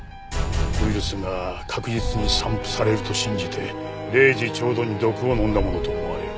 ウイルスが確実に散布されると信じて０時ちょうどに毒を飲んだものと思われる。